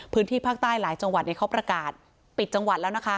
พื้นที่ภาคใต้หลายจังหวัดเขาประกาศปิดจังหวัดแล้วนะคะ